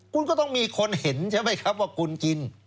คุณก็ต้องมีคนเห็นใช่ไหมครับว่าคุณกิน